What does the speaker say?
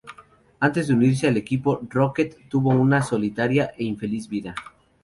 Antes de unirse al Equipo Rocket, tuvo una solitaria e infeliz vida.